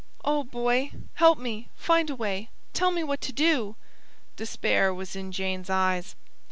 "Oh, Boy, help me! Find a way! Tell me what to do!" Despair was in Jane's eyes.